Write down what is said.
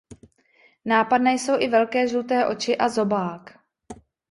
Nápadné jsou i velké žluté oči a zobák.